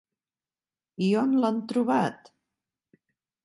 I on l'han trobat?